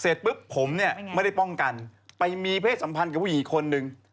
โอ้โฮน่าเลยนะอีกอย่าง